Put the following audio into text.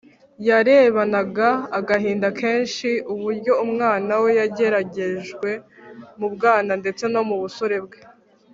Yarebanaga agahinda kenshi uburyo umwana we yageragejwe mu bwana ndetse no mu busore bwe